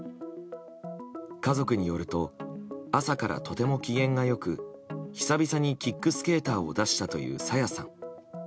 家族によると朝からとても機嫌が良く久々にキックスケーターを出したという朝芽さん。